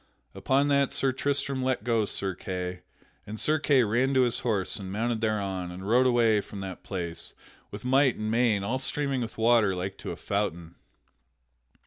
Upon that Sir Tristram let go Sir Kay, and Sir Kay ran to his horse and mounted thereon and rode away from that place with might and main, all streaming with water like to a fountain.